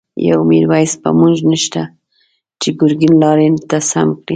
یو«میرویس» په مونږ کی نشته، چه گرگین لاری ته سم کړی